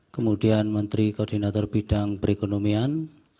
kemudian menteri koordinator bidang perekonomian